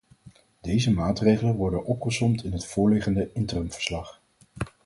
Deze maatregelen worden opgesomd in het voorliggende interim-verslag.